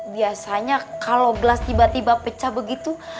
biasanya kalau gelas tiba tiba pecah begitu